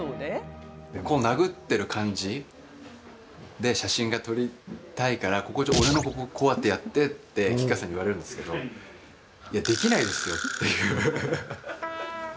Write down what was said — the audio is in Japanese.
こう、殴っている感じで写真が撮りたいから、俺のこここうやってやってって吉川さんに言われるんですけどできないですよっていう。